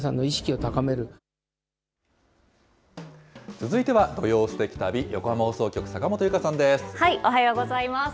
続いては土曜すてき旅、横浜放送局、おはようございます。